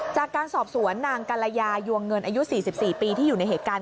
จากการสอบสวนนางกัลยายวงเงินอายุ๔๔ปีที่อยู่ในเหตุการณ์